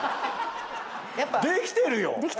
できてるよ！